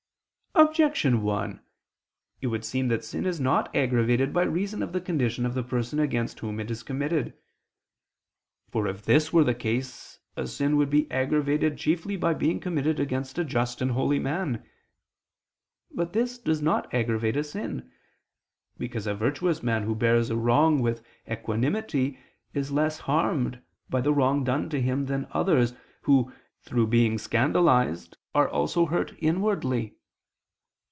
Objection 1: It would seem that sin is not aggravated by reason of the condition of the person against whom it is committed. For if this were the case a sin would be aggravated chiefly by being committed against a just and holy man. But this does not aggravate a sin: because a virtuous man who bears a wrong with equanimity is less harmed by the wrong done him, than others, who, through being scandalized, are also hurt inwardly.